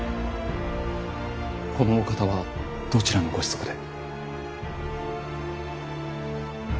このお方はどちらのご子息で。